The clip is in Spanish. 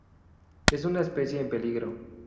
Es una especie en peligro.